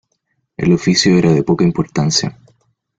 El oficio era de poca importancia.